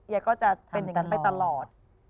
ก็จะเป็นอย่างนั้นไปตลอด